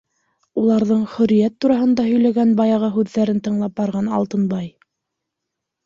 Уларҙың хөрриәт тураһында һөйләгән баяғы һүҙҙәрен тыңлап барған Алтынбай: